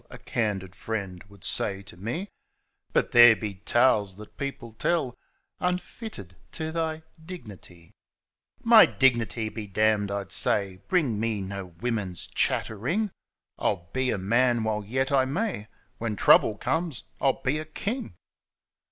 * A candid friend would say to me —' But there be tales that people tell * Unfitted to thy dignity '< My dignity be damned !' I'd say, ' Bring me no women's chattering !* 111 be a man while yet I may —< When trouble comes I'll be a king